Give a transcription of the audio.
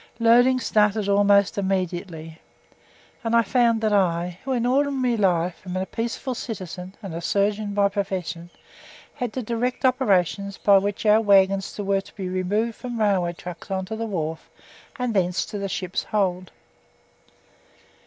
Loading started almost immediately, and I found that I who in ordinary life am a peaceful citizen and a surgeon by profession had to direct operations by which our waggons were to be removed from the railway trucks on to the wharf and thence to the ship's hold.